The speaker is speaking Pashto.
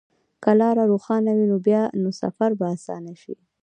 که لار روښانه وي، نو سفر به اسانه شي.